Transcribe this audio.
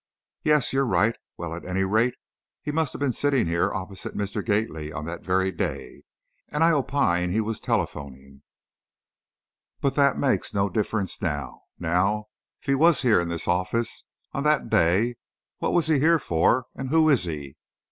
"Yes; you're right. Well, at any rate, he must have been sitting here, opposite Mr. Gately, on that very day. And I opine he was telephoning, but that makes no difference. Now, if he was here, in this office, on that day, what was he here for, and who is he?"